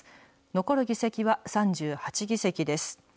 残る議席は３８議席です。